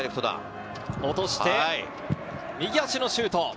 落として、右足のシュート。